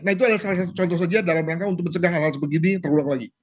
nah itu adalah contoh saja dalam rangka untuk mencegah hal hal sebegini terulang lagi